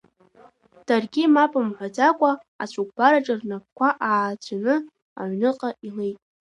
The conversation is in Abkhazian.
Даргьы мап мҳәаӡакәа, ацәыкәбар аҿы рнапқәа ааӡәӡәаны, аҩныҟа илеит.